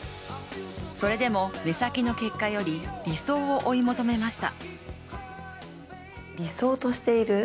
それでも、目先の結果より、理想を追い求めました。